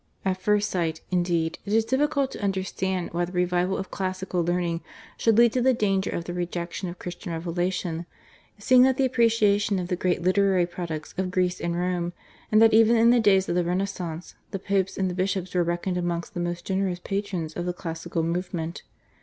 At first sight, indeed, it is difficult to understand why the revival of classical learning should lead to the danger of the rejection of Christian Revelation, seeing that the appreciation of the great literary products of Greece and Rome, and that, even in the days of the Renaissance, the Popes and the bishops were reckoned amongst the most generous patrons of the classical movement.